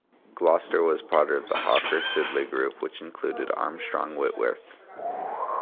Gloster was a part of the Hawker Siddeley group which included Armstrong Whitworth.